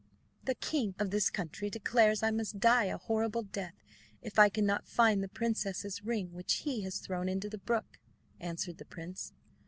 "The king of this country declares I must die a horrible death if I cannot find the princess's ring which he has thrown into the brook," answered the prince.